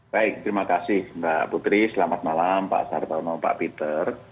baik terima kasih mbak putri selamat malam pak sartono pak peter